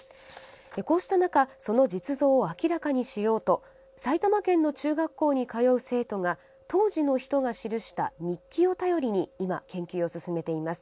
こうした中その実像を明らかにしようと埼玉県の中学校に通う生徒が当時の人が記した日記を頼りに今、研究を進めています。